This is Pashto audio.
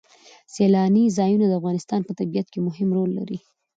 سیلانی ځایونه د افغانستان په طبیعت کې مهم رول لري.